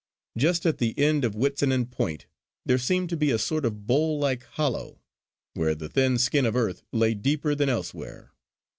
Just at the end of Witsennan point there seemed to be a sort of bowl like hollow, where the thin skin of earth lay deeper than elsewhere.